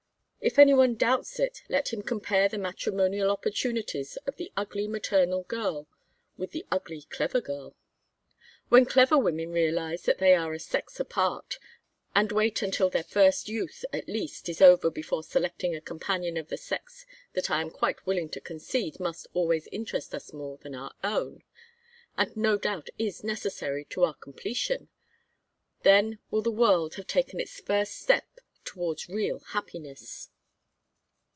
If any one doubts it let him compare the matrimonial opportunities of the ugly maternal girl and the ugly clever girl. When clever women realize that they are a sex apart and wait until their first youth at least is over before selecting a companion of the sex that I am quite willing to concede must always interest us more than our own, and no doubt is necessary to our completion, then will the world have taken its first step towards real happiness."